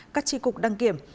các tri cục đăng kiểm